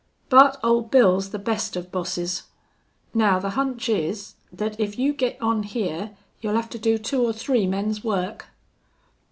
But Old Bill's the best of bosses.... Now the hunch is thet if you git on hyar you'll hev to do two or three men's work."